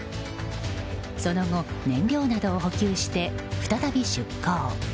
その後、燃料などを補給して再び出港。